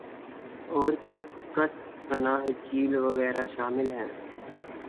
اور کت پناہ جھیل وغیرہ شامل ہیں